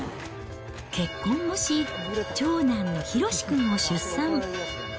結婚もし、長男のヒロシ君を出産。